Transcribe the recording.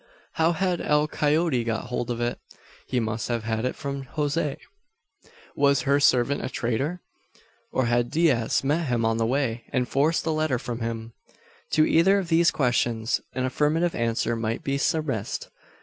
How had El Coyote got hold of it? He must have had it from Jose! Was her servant a traitor? Or had Diaz met him on the way, and forced the letter from him? To either of these questions an affirmative answer might be surmised.